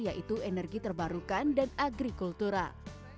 yaitu energi terbarukan dan agrikultural